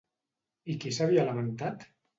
I qui s'havia lamentat?